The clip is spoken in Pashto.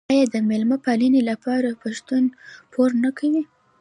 آیا د میلمه پالنې لپاره پښتون پور نه کوي؟